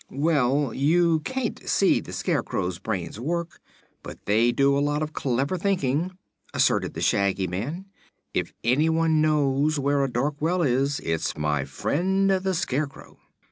"Well, you can't see the Scarecrow's brains work, but they do a lot of clever thinking," asserted the Shaggy Man. "If anyone knows where a dark well is, it's my friend the Scarecrow."